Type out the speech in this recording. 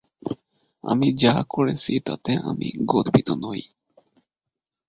আমি যা করেছি তাতে আমি গর্বিত নই।